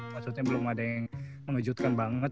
maksudnya belum ada yang mengejutkan banget